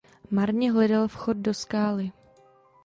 Marně hledal vchod do skály.